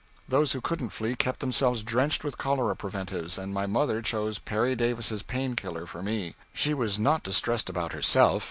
Those who couldn't flee kept themselves drenched with cholera preventives, and my mother chose Perry Davis's Pain Killer for me. She was not distressed about herself.